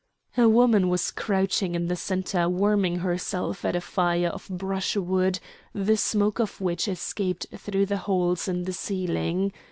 A woman was crouching in the centre warming herself at a fire of brushwood, the smoke of which escaped through the holes in the ceiling.